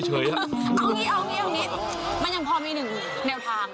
เอางี้เอางี้มันยังพอมี๑แนวทาง